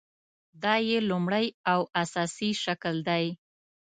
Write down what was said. دا یې لومړۍ او اساسي شکل دی.